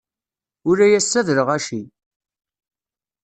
Ula ass-a d lɣaci.